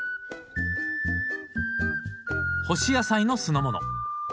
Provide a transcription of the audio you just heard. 干し野菜の酢の物。